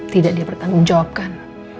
tidak dia bertanggung jawabkan